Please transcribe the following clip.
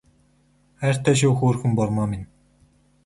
Хайртай шүү хөөрхөн бурмаа минь